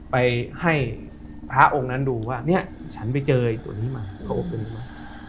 ไปให้พระองค์นั้นดูว่าเนี่ยฉันไปเจอไอ้ตัวนี้มาเขาอบตัวนี้มา